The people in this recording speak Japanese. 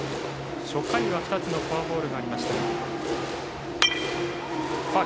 初回は２つのフォアボールがありました。